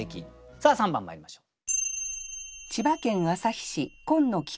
さあ３番まいりましょう。